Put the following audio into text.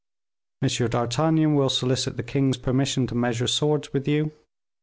M d'Artagnan will solicit the king's permission to measure swords with you.